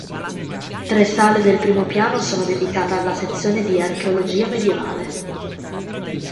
Tre sale del primo piano sono dedicate alla sezione di "archeologia medievale".